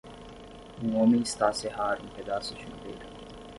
Um homem está a serrar um pedaço de madeira.